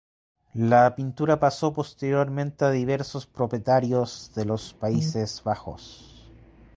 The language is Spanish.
La pintura pasó posteriormente a diversos propietarios de los Países Bajos.